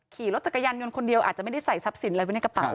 ขี่รถจักรยานยนต์คนเดียวอาจจะไม่ได้ใส่ทรัพย์สินอะไรไว้ในกระเป๋า